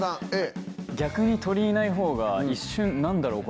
逆に鳥いないほうが一瞬何だろう